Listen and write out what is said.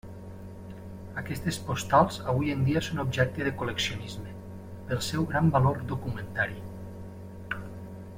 Aquestes postals avui en dia són objecte de col·leccionisme, pel seu gran valor documentari.